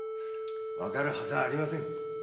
わかるはずはありません。